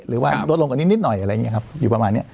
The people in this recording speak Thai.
หรือว่าลดลงกว่านิดหน่อยอะไรอย่างนี้ครับอยู่ประมาณนี้